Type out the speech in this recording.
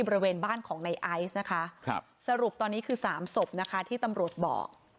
บริเวณบ้านของในไอซ์นะคะสรุปตอนนี้คือ๓ศพนะคะที่ตำรวจบอก